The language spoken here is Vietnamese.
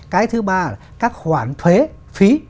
cái thứ ba là các khoản thuế phí